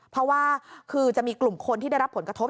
เพราะว่าคือจะมีกลุ่มคนที่ได้รับผลกระทบ